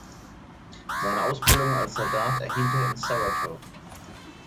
Seine Ausbildung als Soldat erhielt er in Saratow.